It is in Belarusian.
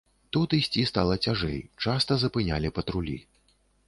Тут ісці стала цяжэй, часта запынялі патрулі.